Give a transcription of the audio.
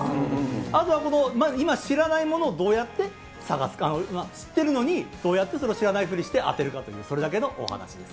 あとは、今知らないものをどうやって探すか、知ってるのに、どうやってそれを知らないふりして当てるかっていう、それだけのお話です。